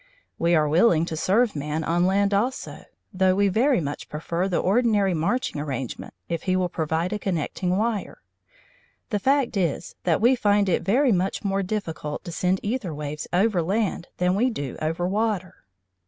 We are willing to serve man on land also, though we very much prefer the ordinary marching arrangement if he will provide a connecting wire. The fact is that we find it very much more difficult to send æther waves over land than we do over water.